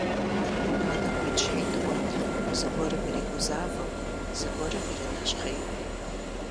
Нанэ гуитӀщхьитӀ хъурт, зыгуэрым иригузавэу, зыгуэрым иринэщхъейуэ.